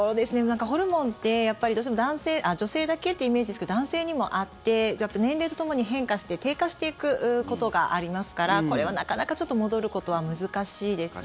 ホルモンってどうしても女性だけってイメージですけど男性にもあって年齢とともに変化して低下していくことがありますからこれはなかなかちょっと戻ることは難しいですね。